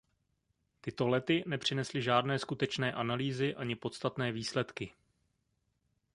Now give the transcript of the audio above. Tyto lety nepřinesly žádné skutečné analýzy ani podstatné výsledky.